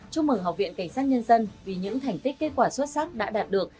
chúc mừng học viện cảnh sát nhân dân vì những thành tích kết quả xuất sắc đã đạt được